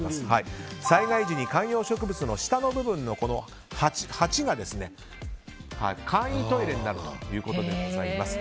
災害時に観葉植物の下の部分の鉢が簡易トイレになるということです。